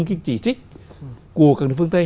cái chỉ trích của các nước phương tây